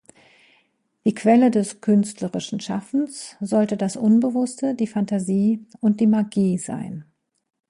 Die Quelle des "künstlerischen Schaffens" sollte das Unbewusste, die Phantasie und die Magie sein.